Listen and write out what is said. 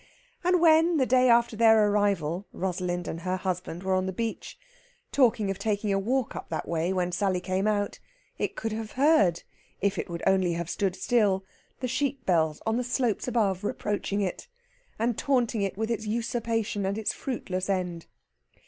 And when, the day after their arrival, Rosalind and her husband were on the beach talking of taking a walk up that way when Sally came out, it could have heard, if it would only have stood still, the sheep bells on the slopes above reproaching it, and taunting it with its usurpation and its fruitless end.